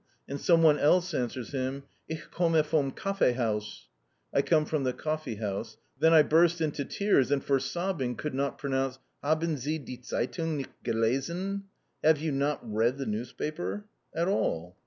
and some one else answers him, "Ich komme vom Kaffeehaus" ("I come from the coffee house"), than I burst into tears and, for sobbing, could not pronounce, "Haben Sie die Zeitung nicht gelesen?" ("Have you not read the newspaper?") at all.